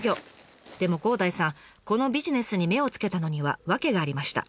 でも広大さんこのビジネスに目をつけたのには訳がありました。